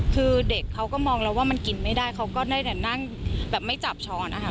คือเด็กเขาก็มองแล้วว่ามันกินไม่ได้เขาก็ได้แต่นั่งแบบไม่จับช้อนนะคะ